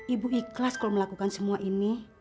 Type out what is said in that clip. ibu ikhlas kalau melakukan semua ini